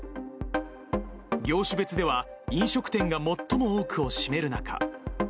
業種別では、飲食店が最も多くを占める中。